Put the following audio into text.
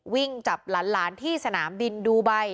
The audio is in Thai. วิ่งจับหลานที่สนามบินดูไบ